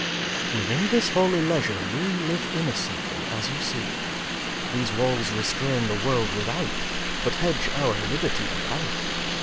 xiii "Within this holy leisure we Live innocently as you see. these Walls restrain the World without, But hedge our Liberty about.